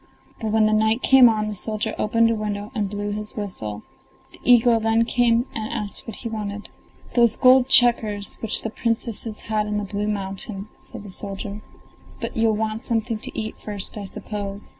But when the night came on the soldier opened the window and blew his whistle. The eagle then came and asked what he wanted. "Those gold checkers, which the Princesses had in the blue mountain," said the soldier; "but you'll want something to eat first, I suppose?